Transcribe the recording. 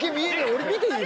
俺見ていい？